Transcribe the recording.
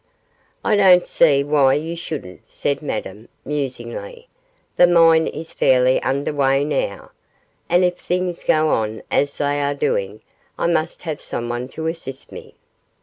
'I don't see why you shouldn't,' said Madame, musingly; 'the mine is fairly under way now, and if things go on as they are doing, I must have someone to assist me.